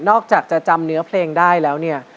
อกจากจะจำเนื้อเพลงได้แล้วเนี่ย